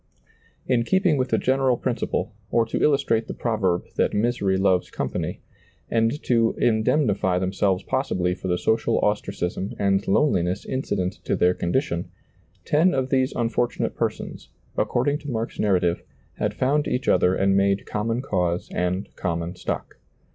^lailizccbvGoOgle 146 SEEING DARKLY In keeping with the general principle, or to illustrate the proverb that misery loves company, and to indemnify themselves possibly for the social ostracism and loneliness incident to their condition, ten of these unfortunate persons, according to Mark's narrative, had found each other and made common cause and common stock.